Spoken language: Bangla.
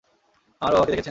আমার বাবাকে দেখেছেন?